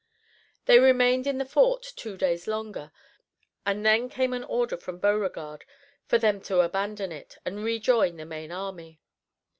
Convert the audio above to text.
They remained in the fort two days longer, and then came an order from Beauregard for them to abandon it, and rejoin the main army.